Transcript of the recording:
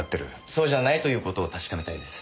そうじゃないという事を確かめたいんです。